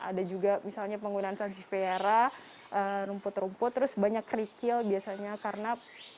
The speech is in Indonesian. ada juga misalnya penggunaan sanksi viera rumput rumput terus banyak kerikil biasanya karena